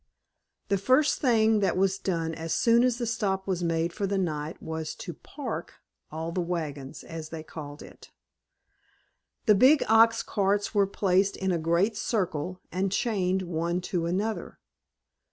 The first thing that was done as soon as the stop was made for the night was to "park" all the wagons, as they called it. The big ox carts were placed in a great circle and chained one to another.